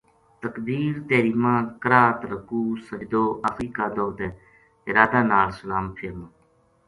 تکبیر تحریمہ، قرات، رکوع، سجدو، آخری قعدو تے ارادہ نال سلام فیرنو